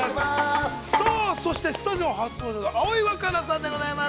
◆さあ、そしてスタジオ初登場の葵わかなさんでございます。